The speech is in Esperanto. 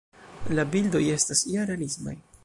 La bildoj estas ja realismaj.